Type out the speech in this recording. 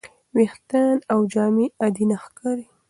ویښتان او جامې عادي نه ښکاري.